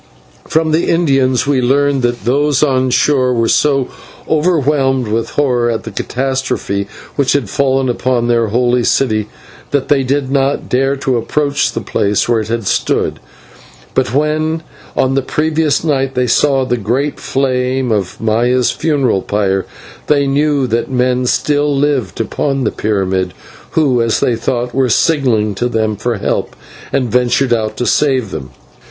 From the Indians we learned that those on shore were so overwhelmed with horror at the catastrophe which had fallen upon their holy city, that they did not dare to approach the place where it had stood. But when on the previous night they saw the great flame of Maya's funeral pyre, they knew that men still lived upon the pyramid, who, as they thought, were signalling to them for help, and ventured out to save them.